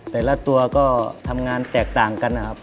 แต่ละตัวก็ทำงานแตกต่างกันนะครับ